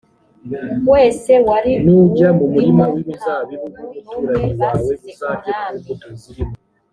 wese wari uwurimo nta muntu n umwe basize umwami